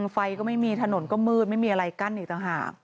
ไฟก็ไม่มีถนนก็มืดไม่มีอะไรกั้นอีกต่างหาก